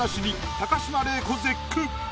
高島礼子絶句！